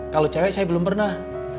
kalau cewek saya belum pernah